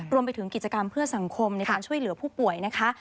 รวมไปถึงกิจกรรมเพื่อสังคมในการช่วยเหลือผู้ป่วยนะคะ